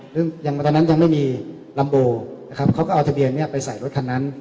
ซึ่งตอนนั้นยังไม่มีลัมโบนะครับเขาก็เอาทะเบียนเนี่ยไปใส่รถคันนั้น